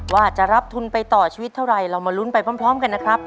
ว่าจะรับทุนไปต่อชีวิตเท่าไรเรามาลุ้นไปพร้อมกันนะครับ